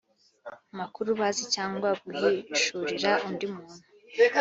makuru bazi cyangwa guhishurira undi muntu